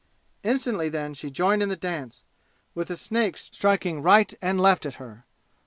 Instantly then she joined in the dance, with the snakes striking right and left at her.